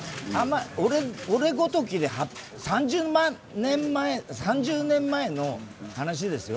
俺ごときで３０年前の話ですよ。